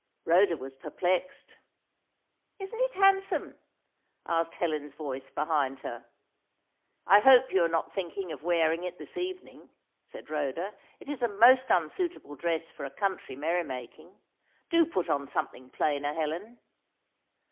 Rhoda was perplexed. "Isn't it handsome!" asked Helen's voice behind her. "I hope you are not thinking of wearing it this evening," said Rhoda. "It's a most unsuitable dress for a country merry making. Do put on something plainer, Helen."